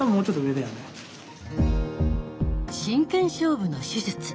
真剣勝負の手術。